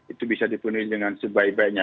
itu bisa dipenuhi dengan sebaik baiknya